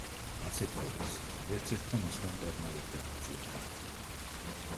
ასეთ ხვედრს ვერც ერთმა მისმა მტერმა ვერ დააღწია თავი.